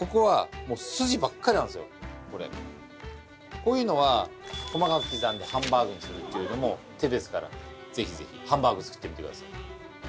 こういうのは細かく刻んでハンバーグにするっていうのも手ですからぜひぜひハンバーグ作ってみて下さい。